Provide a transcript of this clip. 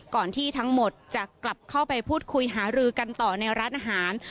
ที่ทั้งหมดจะกลับเข้าไปพูดคุยหารือกันต่อในร้านอาหาร